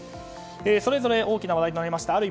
それぞれ大きな話題となりました。